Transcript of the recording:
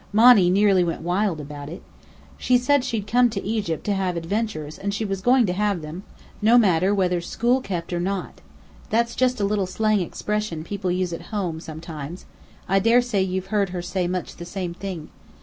Monny nearly went wild about it. She said she'd come to Egypt to have adventures and she was going to have them, no matter whether 'school kept or not'. That's just a little slang expression, people use at home, sometimes. I daresay you've heard her say much the same thing.